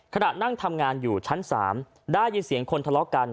ขณะนั่งทำงานอยู่ชั้น๓ได้ยินเสียงคนทะเลาะกัน